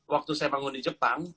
waktu saya bangun di jepang